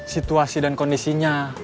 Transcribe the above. situasi dan kondisinya